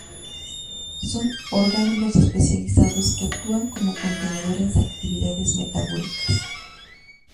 Son orgánulos especializados que actúan como contenedores de actividades metabólicas.